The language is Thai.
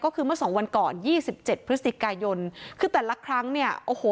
ก็คือเมื่อสองวันก่อนยี่สิบเจ็ดพฤศจิกายนคือแต่ละครั้งเนี่ยโอ้โห